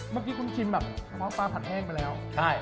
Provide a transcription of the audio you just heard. เมื่อกี้คุณชิมแบบเมาะปลาผัดแห้งไปแล้ว